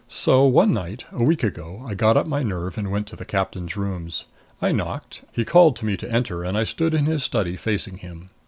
So one night, a week ago, I got up my nerve and went to the captain's rooms. I knocked. He called to me to enter and I stood in his study, facing him.